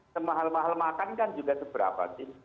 semahal mahal makan kan juga seberapa sih